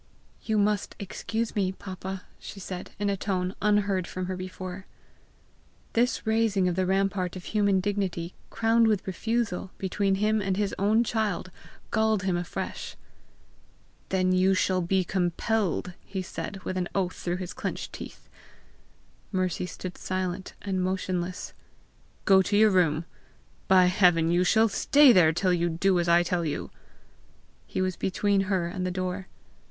"You must excuse me, papa!" she said in a tone unheard from her before. This raising of the rampart of human dignity, crowned with refusal, between him and his own child, galled him afresh. "Then you shall be compelled!" he said, with an oath through his clenched teeth. Mercy stood silent and motionless. "Go to your room. By heaven you shall stay there till you do as I tell you!" He was between her and the door.